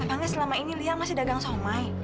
orangnya selama ini lia masih dagang somai